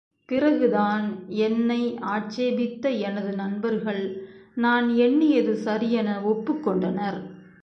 பிறகுதான் என்னை ஆட்சேபித்த எனது நண்பர்கள், நான் எண்ணியது சரியென ஒப்புக்கொண் டனர்.